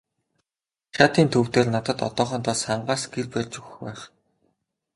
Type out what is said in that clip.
Хашаатын төв дээр надад одоохондоо сангаас гэр барьж өгөх байх.